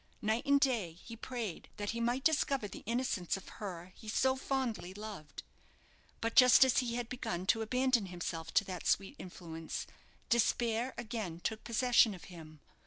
Night and day he prayed that he might discover the innocence of her he so fondly loved. But just as he had begun to abandon himself to that sweet influence, despair again took possession of him.